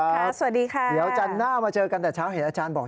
สวัสดีค่ะเดี๋ยวจันทร์หน้ามาเจอกันแต่เช้าเห็นอาจารย์บอก